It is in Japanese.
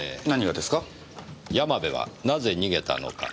山部はなぜ逃げたのか？